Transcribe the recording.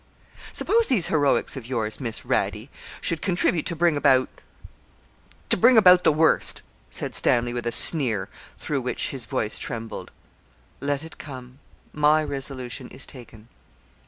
'Suppose these heroics of yours, Miss Radie, should contribute to bring about to bring about the worst,' said Stanley, with a sneer, through which his voice trembled. 'Let it come my resolution is taken.'